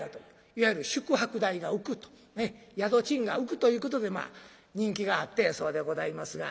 いわゆる宿泊代が浮くと宿賃が浮くということで人気があったんやそうでございますが。